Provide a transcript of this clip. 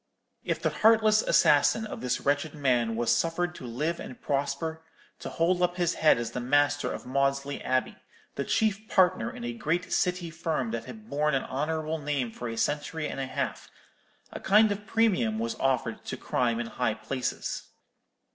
"If the heartless assassin of this wretched man was suffered to live and prosper, to hold up his head as the master of Maudesley Abbey, the chief partner in a great City firm that had borne an honourable name for a century and a half, a kind of premium was offered to crime in high places.